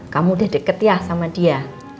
kamu udah deket ya sama dia